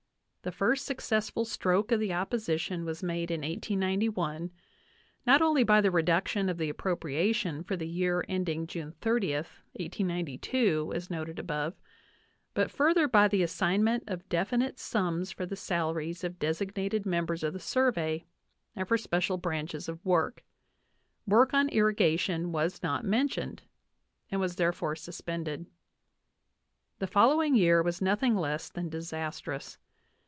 The first successful stroke of the opposition was made in 1891, not only by the reduction of the appropriation for the year ending June 30, 1892, as above noted, but further by the assignment of definite sums for the salaries of designated members of the Survey and for special branches of work; work on irrigation was not mentioned and was therefore suspended. The following year was nothing less than disastrous.